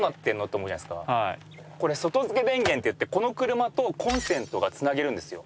これ外付け電源っていってこの車とコンセントが繋げるんですよ。